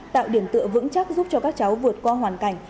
tạo điểm tựa vững chắc giúp cho các cháu vượt qua hoàn cảnh